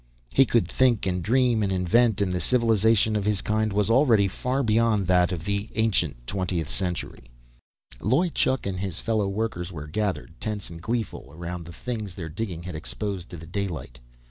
He could think and dream and invent, and the civilization of his kind was already far beyond that of the ancient Twentieth Century. Loy Chuk and his fellow workers were gathered, tense and gleeful, around the things their digging had exposed to the daylight.